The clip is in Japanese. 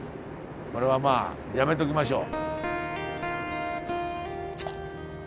これはまあやめときましょう。